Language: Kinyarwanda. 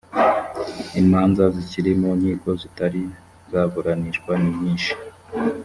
imanza zikiri mu nkiko zitari zaburanishwa ni nyinshi